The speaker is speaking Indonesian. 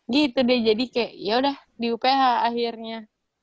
gitu deh jadi kayak yaudah di uph akhirnya